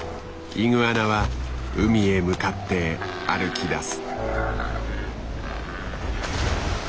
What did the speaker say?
イグアナは海へ向かって歩きだす。